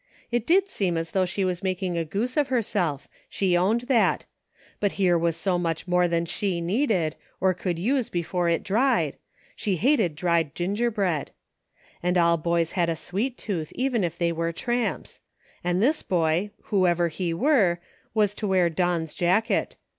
It did seem as though she was making a goose of herself, she owned that ; but here was so much more than she needed, or could use before it dried ; she hated dried gingerbread ; and all boys had a sweet tooth, even if they were tramps ; and this boy, whoever he were, was to wear Don's jacket.